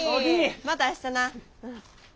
また明日な。